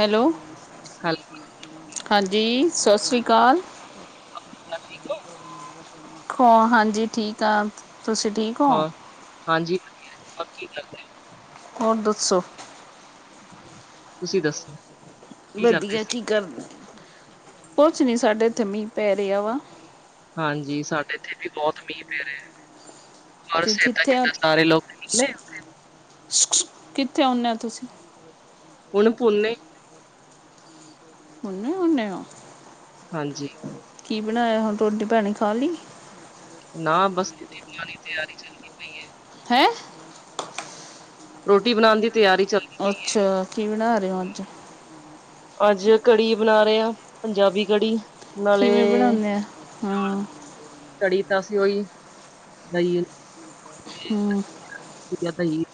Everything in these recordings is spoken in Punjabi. ਹੈਲੋ ਹੈਲੋ ਹਾਂਜੀ ਸਤਿ ਸ਼੍ਰੀ ਅਕਾਲ। ਹੋਰ ਕਿੱਦਾ ਠੀਕ ਹੋ ਖੋ ਹਾਂਜੀ ਠੀਕ ਆ ਤੁਸੀਂ ਠੀਕ। ਹੋ ਹੋਰ, ਹਾਂਜੀ ਕੀ ਕਰਦੇ? ਹੁਣ ਦੁੱਸੋ। ਤੁਸੀਂ ਦੱਸੋ। ਕੀ ਕਰਦੇ ਵਧੀਆ ਸੀ ਕੀ ਕਰਦੇ ਕੁੱਛ ਨੀ ਸਾਡੇ ਇੱਥੇ ਮੀਂਹ ਪੈ ਰਿਹਾ ਵਾ। ਹਾਂਜੀ, ਸਾਡੇ ਇੱਥੇ ਵੀ ਬਹੁਤ ਮੀਂਹ ਪੈ ਰਿਹਾ ਹੈ। ਹੋਰ ਤੇ ਸਿਹਤਾਂ ਕਿੱਥੇ ਕਿੱਦਾਂ, ਸਾਰੇ ਲੋਕ ਠੀਕ ਨੇ। ਕਿੱਥੇ ਆਉਨੇ ਹੋ ਤੁਸੀਂ। ਹੁਣ ਪੁਨੇ ਪੂਨੇ ਹੁਨੇ ਓ। ਹਾਂਜੀ। ਕੀ ਬਣਾਇਆ ਹੁਣ ਰੋਟੀ ਪਾਣੀ ਖਾ ਲਈ। ਨਾ ਬਸ ਰੋਟੀ ਪਾਣੀ ਦੀ ਤਿਆਰੀ ਚੱਲਦੀ ਪਈ ਹੈ। ਹੈਂ। ਰੋਟੀ ਬਣਾਉਣ ਦੀ ਤਿਆਰੀ ਚੱਲਦੀ ਅੱਛਾ, ਕੀ ਬਣਾ ਰਹੇ ਹੋ ਅੱਜ? ਅੱਜ ਕੜੀ ਬਣਾ ਰਹੇ ਆਂ, ਪੰਜਾਬੀ ਕੜੀ। ਨਾਲੇ ਕਿਵੇਂ ਬਣਾਉਂਦੇ ਆ ਚੌਲ, ਹਾਂ ਕੜੀ ਤਾਂ ਅਸੀਂ ਉਹੀ ਦਹੀਂ ਅਲੀ ਹਮ। ਨਾ ਦਹੀਂ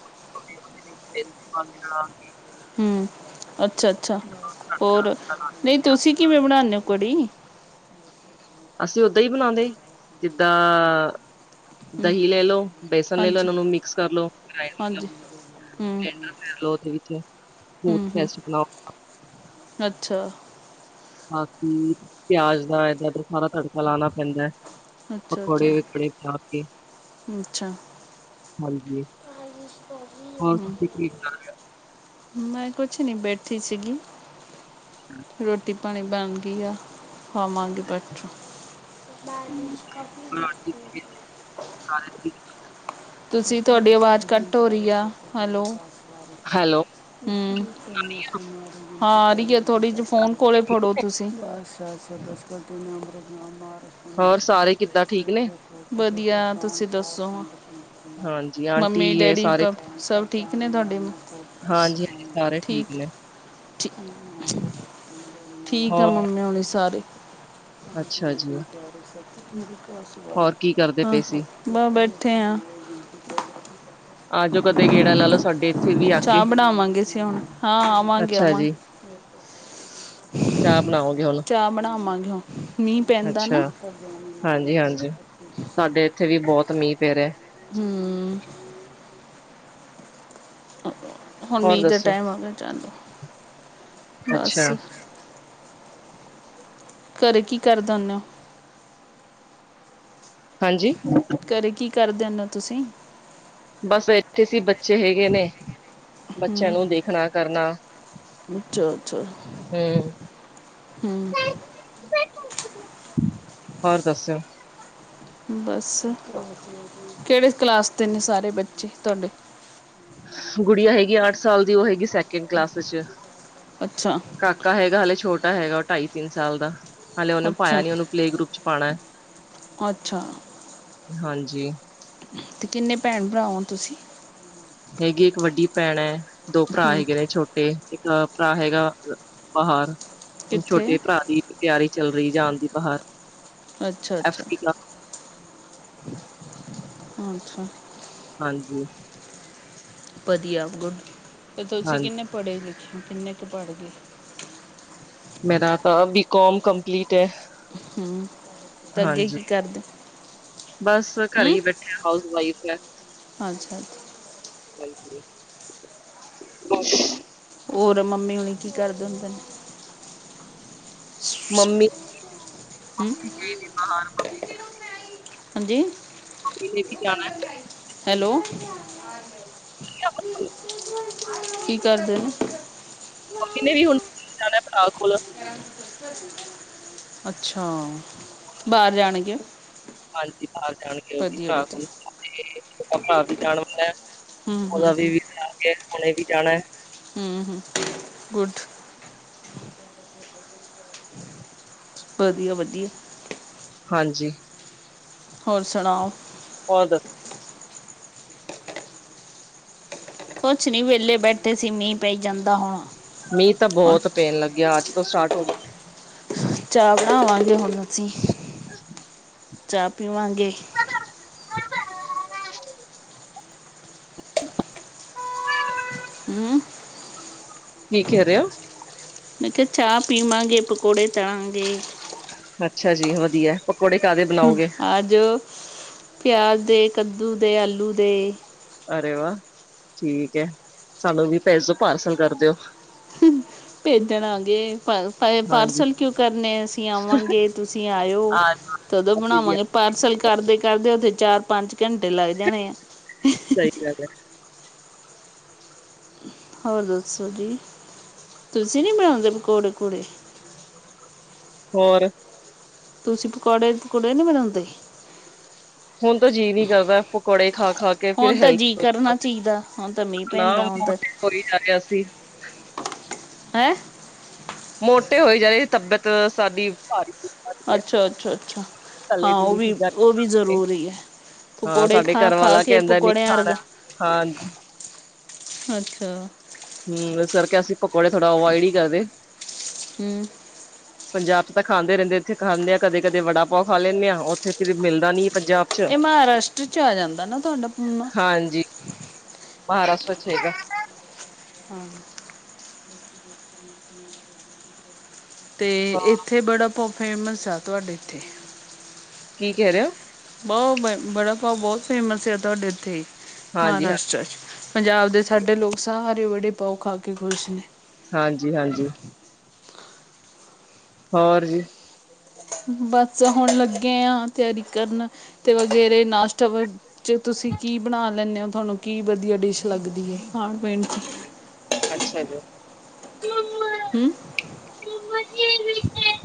ਤੇ ਪਾ ਕੇ ਨਾਲ- ਹਮ ਅੱਛਾ ਅੱਛਾ ਹੋਰ, ਨਹੀਂ ਤੁਸੀਂ ਕਿਵੇਂ ਬਣਾਂਨੇ ਹੋ ਕੜੀ। ਅਸੀਂ ਓਦਾਂ ਹੀ ਬਣਾਉਂਦੇ, ਜਿੱਦਾਂ ਹੂੰ, ਦਹੀਂ ਲੈ ਲਓ, ਬੇਸਨ ਲੈ ਲਓ, ਹਾਂਜੀ ਇਹਨਾਂ ਨੂੰ ਮਿਕਸ ਕਰ ਲੋ, ਗਰਾਇੰਡ ਕਰ ਲੋ ਹਾਂਜੀ ਗਰਾਇੰਡਰ ਫੇਰ ਲੋ ਵਿੱਚ ਸਮੂਥ ਹਮ ਹਮ ਪੇਸਟ ਬਣਾਓ ਅੱਛਾ। ਬਾਕੀ ਪਿਆਜ ਦਾ ਏਦਾਂ ਏਦਾਂ ਸਾਰਾ ਤੜਕਾ ਲਾਉਣਾ ਪੈਂਦਾ ਹੈ। ਅੱਛਾ ਅੱਛਾ ਪਕੌੜੇ ਪਕੂੜੇ ਖਾ ਕੇ ਅੱਛਾ ਹਾਂਜੀ ਹੋਰ ਹੂੰ ਤੁਸੀਂ ਕੀ ਕਰ ਰਹੇ ਓ। ਮੈਂ ਕੁਛ ਨੀ ਬੈਠੀ ਸੀਗੀ ਰੋਟੀ ਪਾਣੀ ਬਣ ਗਈ ਆ ਖਾਵਾਂਗੀ ਬਾਦ 'ਚੋ ਕਾਫੀ ਦਿਖ [inaudible] ਤੁਸੀਂ ਤੁਹਾਡੀ ਆਵਾਜ਼ ਕੱਟ ਹੋ ਰਈ ਆ ਹੈਲੋ ਹੈਲੋ ਹੂੰ ਹਾਂ ਆ ਰਈ ਐ। ਥੋੜੀ ਜੀ ਫੋਨ ਕੋਲੋਂ ਫੜੋ ਤੁਸੀਂ ਹੋਰ ਸਾਰੇ ਕਿੱਦਾਂ ਠੀਕ ਨੇ? ਵਧੀਆ ਤੁਸੀਂ ਦੱਸੋ ਹੁਣ ਹਾਂਜੀ, ਆਂਟੀ ਇਹ ਮੰਮੀ-ਡੈਡੀ ਸਾਰੇ ਪਾ ਸਭ ਠੀਕ ਨੇ ਤੁਹਾਡੇ ਹਾਂਜੀ-ਹਾਂਜੀ, ਸਾਰੇ ਠੀਕ ਨੇ, ਠੀਕ-ਠੀਕ ਆ ਹੋਰ ਮੰਮੀ ਹੋਣੀ ਸਾਰੇ ਅੱਛਾ ਜੀ। [inaudible] ਹੋਰ ਕੀ ਕਰਦੇ ਹਾਂ ਪਏ ਸੀ। ਬਸ ਬੈਠੇ ਆ ਆ ਜੋ ਕਦੇ ਗੇੜਾ ਲਾ ਲਓ ਸਾਡੇ ਇੱਥੇ ਵੀ ਆ ਕੇ, ਚਾਹ ਬਣਾਵਾਂਗੇ ਅਸੀਂ ਹੁਣ ਹਾਂ ਅੱਛਾ ਆਵਾਂਗੇ-ਆਵਾਂਗੇ। ਜੀ, ਚਾਹ ਬਣਾਓਗੇ ਹੁਣ? ਚਾਹ ਬਣਾਵਾਂਗੇ ਹੁਣ ਮੀਂਹ ਪੈਂਦਾ ਅੱਛਾ, ਨਾ। ਹਾਂਜੀ-ਹਾਂਜੀ ਸਾਡੇ ਇੱਥੇ ਵੀ ਬੋਤ ਮੀਂਹ ਪੈ ਰਿਆ। ਹੂੰ ਹੁਣ ਹੋਰ ਮੀਂਹ ਦਾ ਦੱਸੋ? ਟਾਈਮ ਆ ਗਿਆ ਚੱਲ ਅੱਛਾ, ਬਸ ਘਰੇ ਕੀ ਕਰਦੇ ਹੁੰਨੇ ਹੋ। ਹਾਂਜੀ। ਘਰੇ ਕੀ ਕਰਦੇ ਹੁੰਦੇ ਤੁਸੀਂ ਬਸ ਇੱਥੇ ਸੀ ਬੱਚੇ ਹੈਗੇ ਨੇ ਬੱਚਿਆਂ ਨੂੰ ਦੇਖਣਾ ਕਰਨਾ। ਅੱਛਾ-ਅੱਛਾ ਹਮ ਹੂੰ ਹੋਰ ਦੱਸੋ। ਬਸ ਕੇੜੇ ਕਲਾਸ ਦੇ ਨੇ ਸਾਰੇ ਬੱਚੇ ਤੁਹਾਡੇ ਗੁੜੀਆਂ ਹੈਗੀਆਂ ਅੱਠ ਸਾਲ ਦੀ ਓ ਹੈਗੀ ਸੈਕਿੰਡ ਕਲਾਸ 'ਚ ਅੱਛਾ ਕਾਕਾ ਹੈਗਾ ਹਾਲੇ ਛੋਟਾ ਹੈਗਾ ਓ ਢਾਈ ਤਿੰਨ ਸਾਲ ਦਾ ਹਾਲੇ ਉਹਨੇ ਅੱਛਾ ਪਾਇਆ ਨੀ ਉਹਨੂੰ ਪਲੇ ਗਰੁੱਪ 'ਚ ਪਾਣਾ ਹਾਂਜੀ। ਤੇ ਕਿੰਨੇ ਭੈਣ ਭਰਾ ਹੋ ਤੁਸੀਂ ਹੈਗੀ ਇੱਕ ਵੱਡੀ ਭੈਣ ਐ ਦੋ ਭਰਾ ਹਮ ਹੈਗੇ ਨੇ ਛੋਟੇ ਇੱਕ ਭਰਾ ਹੈਗਾ ਬਾਹਰ ਹੁਣ ਕਿੱਥੇ ਛੋਟੇ ਭਰਾ ਦੀ ਤਿਆਰੀ ਚੱਲ ਰਈ ਜਾਣ ਦੀ ਬਾਹਰ ਐਫ ਅੱਛਾ-ਅੱਛਾ-ਅੱਛਾ ਡੀ ਦਾ ਹਾਂਜੀ ਵਧੀਆ ਗੁਡ ਤੇ ਤੁਸੀਂ ਹਾਂਜੀ ਕਿੰਨੇ ਪੜ੍ਹੇ ਲਿਖੇ ਕਿੰਨੇ ਕੁ ਪੜ੍ਹ ਗਏ। ਮੇਰਾ ਤਾਂ ਬੀ ਕੌਮ ਕੰਪਲੀਟ ਐ। ਹੂੰ ਤੇ ਅੱਗੇ ਕੀ ਕਰਦੇ। ਬਸ ਘਰੇ ਹੀ ਬੈਠੇ ਹਾਊਸ ਵਾਈਫ ਐ। ਅੱਛਾ-ਅੱਛਾ ਹਾਂਜੀ ਅੱਛਾ ਹੋਰ ਮੰਮੀ ਹੋਨੀ ਕੀ ਕਰਦੇ ਹੁੰਦੇ ਨੇ। ਮੰਮੀ ਹੂ ਗਏ ਨਹੀ ਬਾਹਰ। ਹਾਂਜੀ। ਕਿਲੇ ਵੀ ਜਾਣਾ। ਹੈਲੋ, ਚ [unintelligible] ਕੀ ਕਰਦੇ ਨੇ। ਮੰਮੀ ਨੇ ਵੀ ਹੁਣ, ਜਾਣਾ ਭਰਾ ਕੋਲ। [inaudible] ਅੱਛਾ! ਬਾਹਰ ਜਾਣਗੇ। ਹਾਂਜੀ ਬਾਹਰ ਜਾਣਗੇ ਉਹ ਵੀ ਵਧੀਆ ਭਰਾ ਵਧੀਆ ਕੋਲ, ਭਰਾ ਵੀ ਜਾਣ ਵਾਲਾ। ਹੂੰ ਹੂੰ ਉਹਦਾ ਵੀ ਹੂੰ ਵਿੱਚ ਜਾਕੇ ਉਣੇ ਵੀ ਜਾਣਾ। ਹੂ- ਹੂ, ਗੁਡ। ਵਧੀਆ- ਵਧੀਆ। ਹਾਂਜੀ। ਹੋਰ ਸੁਣਾਓ? ਹੋਰ ਦੱਸ? ਕੁਛ ਨੀ ਵੇਹਲੇ ਬੈਠੇ ਸੀ ਮੀਂਹ ਪਈ ਜਾਂਦਾ ਹੁਣ। ਮੀਂਹ ਤਾਂ ਹੁਣ ਬਹੁਤ ਪੇਣ ਲੱਗਿਆ ਅੱਜ ਤੋਂ ਸਟਾਰਟ ਹੋ ਗਿਆ। ਚਾਹ ਬਣਾਵਾਂਗੇ ਹੁਣ ਅਸੀਂ, ਚਾਹ ਪੀਵਾਂਗੇ। ਹੂ ਕੀ ਕਹਿ ਰਹੇ ਹੋ? ਮੈਂ ਕਿਹਾ ਚਾਹ ਪੀਵਾਂਗੇ, ਪਕੌੜੇ ਤੜਾਂਗੇ। ਅੱਛਾ ਜੀ ਵਧੀਆ। ਪਕੋੜੇ ਕਾਹਦੇ ਬਣਾਓਗੇ ਆਜ ਪਿਆਜ ਦੇ, ਕੱਦੂ ਦੇ, ਆਲੂ ਦੇ ਅਰੇ ਵਾਹ! ਠੀਕ ਹੈ, ਸਾਨੂੰ ਵੀ ਭੇਜੋ, ਪਾਰਸਲ ਕਰ ਦਿਓ। ਭੇਜਣਗੇ ਪ- ਹਾਂਜੀ ਪਾਰਸਲ ਕਿਉਂ ਕਰਨੇ, ਅਸੀਂ ਆਵਾਂਗੇ ਤੁਸੀਂ ਆਇਓ। ਆ ਕਦੋ ਅਸੀਂ ਵੀ ਬਣਾਵਾਂਗੇ ਪਾਰਸਲ ਕਰਦੇ -ਕਰਦੇ ਉਥੇ ਚਾਰ- ਪੰਜ ਘੰਟੇ ਲੱਗ ਜਾਣੇ ਆ। ਸਹੀ ਕਿਹਾ ਹੈ। ਹੋਰ ਦੱਸੋ ਜੀ, ਤੁਸੀਂ ਨਹੀਂ ਬਣਾਉਂਦੇ ਪਕੌੜੇ- ਪਕੂੜੇ? ਹੋਰ ਤੁਸੀਂ ਪਕੌੜੇ -ਪਕੁੜੇ ਨੀ ਬਣਾਉਂਦੇ? ਹੁਣ ਤੋ ਜੀਅ ਨੀ ਕਰਦਾ, ਪਕੌੜੇ ਖਾ- ਖਾ ਕੇ ਫਿਰ ਹੁਣ ਤਾਂ ਜੀ ਹਲਥ ਕਰਨਾ ਚਾਹੀਦਾ ਹੁਣ ਤਾਂ ਮੀਂਹ ਨਾ ਪੈਂਦਾ ਹੁਣ ਤਾਂ [unintelligible] ਕੋਈ ਜਾ ਰਿਹਾ ਸੀ ਹੈਂ। ਮੋਟੇ ਹੋਈ ਗੇ ਤਬੀਅਤ ਸਾਡੀ ਭ ਅੱਛਾ -ਅੱਛਾ -ਅੱਛਾ। ਤਲੀ ਹਾਂ, ਉਹ ਤੁਲੀ ਵੀ, ਚੀਜ਼ਾਂ ਉਹ ਵੀ ਕਰਕੇ ਜ਼ਰੂਰੀ ਹੈ। ਹਾਂ ਪਕੌੜੇ ਸਾਡੇ ਖਾ- ਘਰ ਖਾ ਵਾਲਾ ਕੇ, ਕਹਿੰਦਾ ਨਹੀਂ ਪਕੌੜਿਆਂ ਅਰਗ ਖਾਣਾ ਹਾਂਜੀ ਅੱਛਾ। ਹੂ, ਸਰ ਅਸੀਂ ਕਿਹਾ ਪਕੌੜਾ ਫੜੋ, ਅਵਇਡ ਹੀ ਕਰਦੇ। ਹੂੰ ਪੰਜਾਬ ਚ' ਤਾਂ ਖਾਂਦੇ ਰਹਿੰਦੇ ਇੱਥੇ ਖਾਂਦੇ ਆਂ ਕਦੇ- ਕਦੇ ਵੜਾ ਪਾਓ ਖਾ ਲੈਂਦੇ ਆਂ, ਉੱਥੇ ਫਿਰ ਮਿਲਦਾ ਨਹੀਂ। ਇਹ ਮਹਾਰਾਸ਼ਟਰ ਚ' ਆ ਜਾਂਦਾ ਨਾ ਤੁਹਾਡਾ ਪੂਨਾ। ਹਾਂਜੀ। [unintelligible] ਹਾਂ। [inaudible] ਤੇ ਹਾਂ ਏਥੇ ਬੜਾ-ਪਾਉ ਫੇਮਸ ਆ ਤੁਹਾਡੇ ਏਥੇ। ਕੀ ਕੇ ਰਹੇ ਔ? ਬਾਊ ਬ ਬੜਾ-ਭਾਉ ਬਹੁਤ ਫੇਮਸ ਆ ਤੁਹਾਡੇ ਏਥੇ, ਹਾਂਜੀ ਹਾਂ ਮਹਾਰਾਸ਼ਟਰਾ ਚ। ਪੰਜਾਬ ਦੇ ਸਾਡੇ ਲੋਕ ਸਾਰੇ ਬੜੇ-ਪਾਓ ਖਾ ਕੇ ਖੁਸ਼ ਨੇ। ਹਾਂਜੀ-ਹਾਂਜੀ। ਹੋਰ ਜੀ? ਬਸ ਹੁਣ ਲੱਗੇ ਆਂ ਤਿਆਰੀ ਕਰਨ ਤੇ ਵਗੈਰੇ ਨਾਸ਼ਤ ਵ ਚ' ਤੁਸੀਂ ਕੀ ਬਣਾ ਲੈਂਣੇ ਔ? ਤੁਹਾਨੂੰ ਕੀ ਵਧੀਆ ਡਿਸ਼ ਲੱਗਦੀ ਏ ਖਾਂਣ-ਪੀਣ ਚ? ਅੱਛਾ ਜੀ। ਹੁੰ। [unintelligible]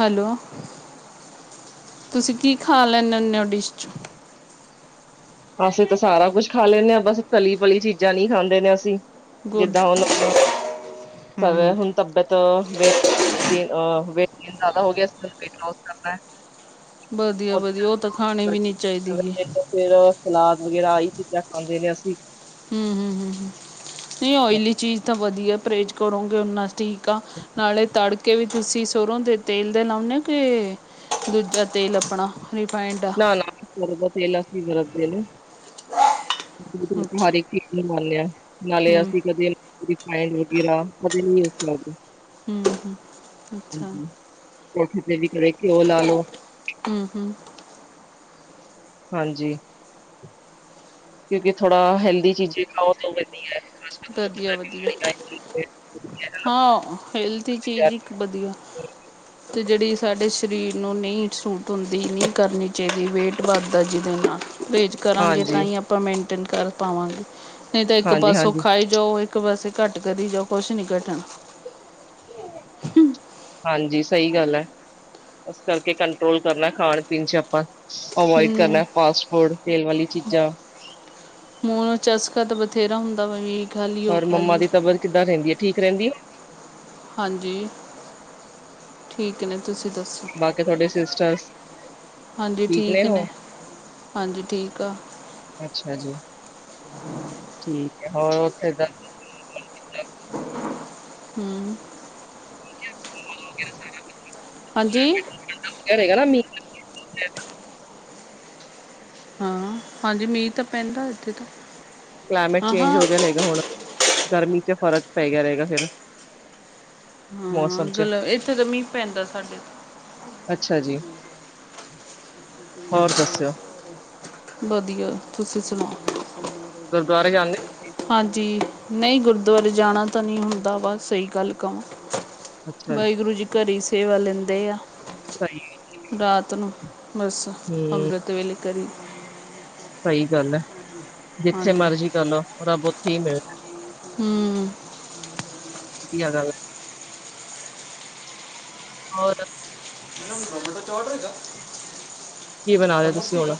ਹੇਲੋ, ਤੁਸੀਂ ਕੀ ਖਾ ਲੈਂਨੇ ਉਨੇ ਔ ਡਿਸ਼ ਚ'? ਅਸੀਂ ਤਾਂ ਸਾਰਾ ਕੁਝ ਖਾ ਲੈਂਣੇ ਆਂ ਬਸ ਤਲੀ-ਵਲੀ ਚੀਜ਼ਾਂ ਨੀ ਖਾਂਦੇ ਨੇ ਅਸੀਂ, ਗੁੱਡ ਜਿੱਦਾਂ ਹੁਣ ਹੂੰ ਹੂੰ [unintelligible] ਹੁਣ ਤਬਬੰਤ ਵੇਟ ਗੇਨ ਅ ਵੇਟ ਗੇਨ ਜ਼ਿਆਦਾ ਹੋ ਗਿਆ ਸੀ, ਹੁਣ ਵੇਟ ਲੋਸ ਕਰਨਾ। ਵਧੀਆ-ਵਧੀਆ ਔ ਤਾਂ ਖਾਣੀ ਵੀ ਨੀ ਚਾਹੀਦੀ ਗੀ। ਫੇਰ ਸਲਾਦ ਵਗੈਰਾ ਆਈ ਚੀਜ਼ਾਂ ਖਾਂਦੇ ਨੇ ਅਸੀਂ। ਹੁੰ-ਹੁੰ-ਹੁੰ-ਹੁੰ, ਨਹੀਂ ਓਇਲੀ ਚੀਜ਼ ਤਾਂ ਵਧੀਆ ਪਰਹੇਜ਼ ਕਰੋਂਗੇ ਓਨਾਂ ਟੀਕ ਆਂ ਨਾਲੇ ਤਾੜ ਕੇ ਵੀ ਤੁਸੀਂ ਸਰੋਂ ਦੇ ਤੇਲ ਦੇ ਲਾਉਣੇ ਔ ਕੇ ਦੂਜਾ ਤੇਲ ਆਪਣਾ ਰਿਫਾਈਡ? ਨਾ ਸਰੋਂ ਦਾ ਤੇਲ ਅਸੀਂ ਵਰਤਦੇ ਨੇ। [unintelligible] ਅੱਛਾ ਨਾਲੇ ਹੂੰ ਅਸੀਂ ਕਦੇ ਰਿਫਾਇੰਡ ਵਗੈਰਾ ਕਦੇ ਨੀ ਯੂਜ਼ ਕਰਦੇ। ਹੂੰ ਹੂੰ ਅੱਛਾ ਹਾਜੀ, ਪਰੌਂਠੀ ਤੇ ਕਵੇ ਗਿਓ ਲਾ ਲੋ। ਹੁੰ-ਹੁੰ। ਹਾਂਜੀ। ਕਿਉਂਕਿ ਥੋੜ੍ਹਾ ਹੈਲਦੀ ਚੀਜ਼ੇ ਖਾਓ ਤੋ ਵ ਵਧੀਆ-ਵਧੀਆ, ਹਾਂ ਹਿਲ ਤੀ ਚੀਜ਼ ਇੱਕ ਵਧੀਆ। ਤੇ ਜਿਹੜੀ ਸਾਡੇ ਸਰੀਰ ਨੂੰ ਨਹੀਂ ਸੂਟ ਹੁੰਦੀ, ਨਹੀਂ ਕਰਨੀ ਚਾਹੀਦੀ ਵੇਟ ਵੱਧਦਾ ਜਿਹਦੇ ਨਾਲ। ਪਰਹੇਜ਼ ਕਰਾਂਗੇ ਤਾਂ ਹਾਂਜੀ, ਈ ਆਪਾਂ ਮੇਨਟੇਨ ਕਰ ਪਾਵਾਂਗੇ, ਨਹੀਂ ਤਾਂ ਇੱਕ ਹਾਂਜੀ, ਪਾਸੋਂ ਹਾਂਜੀ, ਖਾਈ ਜਾਓ ਇੱਕ ਵਸੇ ਘੱਟ ਕਰੀ ਜਾਓ ਕੁਛ ਨੀ ਘੱਟਣਾ। [inaudible] ਹਾਂਜੀ ਸਹੀ ਗੱਲ ਏ। ਇਸ ਕਰਕੇ ਕੰਟਰੋਲ ਕਰਨਾ ਖਾਣ-ਪੀਣ ਚ' ਆਪਾਂ। ਅਵੋਇਡ ਹੂੰ ਕਰਨਾ ਫਾਸਟ-ਫੂਡ ਤੇਲ ਵਾਲੀ ਚੀਜ਼ਾਂ। ਮੂੰਹ ਨੂੰ ਚਸਕਾ ਤਾਂ ਬਥੇਰਾ ਹੁੰਦਾ ਵਹੀ। ਹੋਰ ਮੰਮਾ ਦੀ ਤਬੀਅਤ ਕਿੱਦਾਂ ਰਹਿੰਦੀ ਏ, ਠੀਕ ਰਹਿੰਦੀ ਏ? ਹਾਂਜੀ, ਠੀਕ ਨੇ ਤੁਸੀਂ ਦਸੋ? ਬਾਕੀ ਤੁਹਾਡੇ ਸਿਸਟਰਸ ਹਾਂਜੀ ਠੀਕ ਠੀਕ ਨੇ ਉਹ? ਹਾਂਜੀ, ਠੀਕ ਆ। ਅੱਛਾ ਜੀ, ਠੀਕ ਏ ਹੋਰ ਉੱਥੇ ਦਾ ਹੁੰ। ਹਾਂਜੀ ਇਹੜੇ ਕ ਮੀ। [unintelligible] ਹਾਂ ਹਾਂਜੀ ਮੀਂਹ ਤਾ ਪੈਂਦਾ ਏਥੇ ਤਾਂ। ਕਲਾਈਮੇਟ ਹਾਂ ਚੇਂਜ ਹਾਂ ਹੋ ਗਿਆ ਰਏਗਾ ਹੁਣ ਗਰਮੀ ਚ ਫ਼ਰਕ ਪੈ ਗਿਆ ਰਏਗਾ ਫਿਰ। ਮੌਸਮ ਚ ਗਲਬ ਏਥੇ ਤਾਂ ਮੀਂਹ ਪੈਂਦਾ ਸਾਡੇ। ਅੱਛਾ ਜੀ ਹੋਰ ਦੱਸਿਓ? ਬਧੀਆ ਤੁਸੀ ਸੁਣਾਓ? ਗੁਰਦੁਆਰੇ ਜਾਂਦੇ? ਹਾਂਜੀ, ਨਈ ਗੁਰਦੁਆਰੇ ਜਾਣਾ ਤਾਂ ਨਈ ਹੁੰਦਾ ਵਾ ਸਈ ਗੱਲ ਕਵਾਂ। ਵਾਹਿਗੁਰੂ ਜੀ ਘਰੀ ਸੇਵਾ ਲੈਂਦੇ ਆ। ਸਹੀ ਰਾਤ ਨੂੰ ਬਸ ਹੂੰ, ਅੰਮ੍ਰਿਤ ਵੇਲੇ ਕਰੀ ਸਈ ਗੱਲ ਐ ਜਿੱਥੇ ਹਾਂਜੀ ਮਰਜੀ ਕਰ ਲੋ ਰੱਬ ਓਥੇ ਈ ਮਿਲ ਹੁੰ। ਵਧੀਆ ਗੱਲ ਐ। ਹੋਰ। ਕੀ ਬਣਾ ਲਿਆ ਤੁਸੀਂ ਹੁਣ?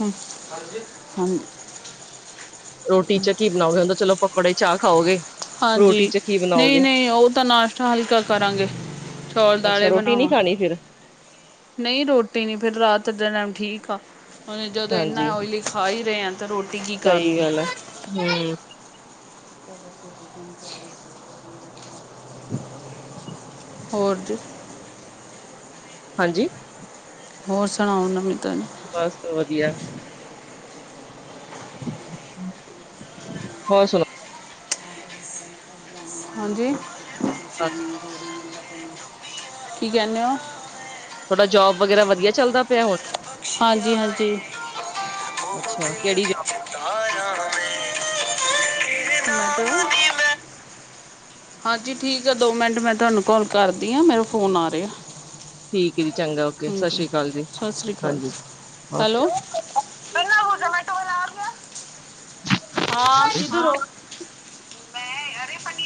ਹਾਂ। [unintelligible] ਬਣਾਓ ਕੈਂਦਾ ਚਲੋ ਪਕੋੜੇ ਚਾਹ ਖਾਓਗੇ। ਰੋਟੀ ਹਾਂਜੀ ਚ ਕੀ ਨਈ, ਬਣਾਓਗੇ? ਨਈ ਓ ਤਾਂ ਨਾਸ਼ਤਾ ਹਲਕਾ ਕਰਾਂਗੇ। ਚੌਲ ਅੱਛਾ ਰੋਟੀ ਨੀ ਖਾਣੀ ਫਿਰ। ਨਈ ਰੋਟੀ ਨੀ ਫੇਰ ਰਾਤ ਦੇ ਟੈਮ ਠੀਕ ਆ ਓਨੇ ਜਦੋਂ ਏਨਾ ਓਇਲੀ ਖਾ ਈ ਰੇ ਆਂ। ਰੋਟੀ ਕੀ ਸਈ ਕਰਨੀ ਗੱਲ ਐ ਹੁੰ। ਕੰ ਕਰ। [inaudible] ਹੋਰ ਜੀ। ਹਾਂਜੀ। ਹੋਰ ਸੁਣਾਓ ਨਵੀ ਤਾ ਬਸ ਵਧੀਆ। ਹੋਰ ਸੁਣ ਹਾਂਜੀ ਕੀ ਕੈਂਨੇ ਓ? ਥਾਡਾ ਜੋਬ ਵਗੈਰਾ ਵਧੀਆ ਚੱਲਦਾ ਪਿਆ ਹੁਣ। ਹਾਂਜੀ, ਹਾਂਜੀ। ਅੱਛਾ ਕੇੜੀ ਹ। [unintelligible] ਹਾਂਜੀ ਠੀਕ ਆ ਦੋ ਮਿੰਟ ਮੈਂ ਤਾਨੂੰ ਕਾੱਲ ਕਰਦੀ ਆਂ ਮੈਨੂੰ ਫੋਨ ਆ ਰੇ ਆ। ਠੀਕ ਐ ਜੀ ਚੰਗਾ ਓਕੇ ਹੁੰ ਸਤਿ ਹੁੰ ਸ੍ਰੀ ਅਕਾਲ ਜੀ, ਸਾਸ ਸ੍ਰੀ ਕਾਲ ਹਾਂਜੀ ਹੈਲੋ। ਹਾਂ ਓਕੇ। ਕਿਧਰ ਓ? ਮੈਂ ਅਰੇਪਨੀ